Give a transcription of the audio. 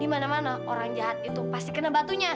dimana mana orang jahat itu pasti kena batunya